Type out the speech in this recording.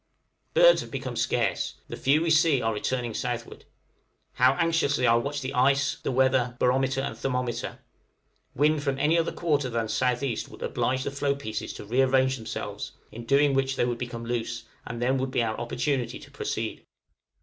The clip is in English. Birds have become scarce, the few we see are returning southward. How anxiously I watch the ice, weather, barometer, and thermometer! Wind from any other quarter than S.E. would oblige the floe pieces to rearrange themselves, in doing which they would become loose, and then would be our opportunity to proceed.